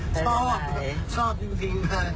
ชอบชอบจริง